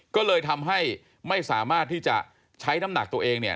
ก็เลยทำให้ไม่สามารถที่จะใช้น้ำหนักตัวเองเนี่ย